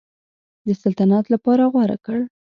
د سلطنت لپاره غوره کړ.